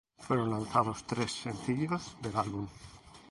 Fueron lanzados tres sencillos del álbum.